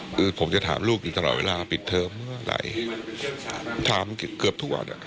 คือผมจะถามลูกอยู่ตลอดเวลาปิดเทอมเมื่อไหร่ถามเกือบทุกวัน